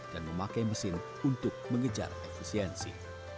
dan memakai mesin untuk mengejar efisiensi